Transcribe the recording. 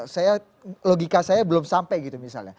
saya logika saya belum sampai gitu misalnya